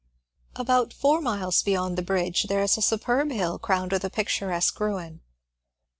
^ About four miles beyond the bridge there is a superb hill crowned with a picturesque ruin.